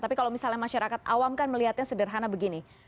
tapi kalau misalnya masyarakat awam kan melihatnya sederhana begini